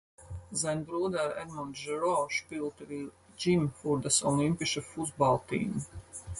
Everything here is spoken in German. Sein Bruder Edmund Giraud spielte wie Jim für das olympische Fußballteam.